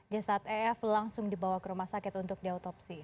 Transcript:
jesat ef langsung dibawa ke rumah sakit untuk diotopsi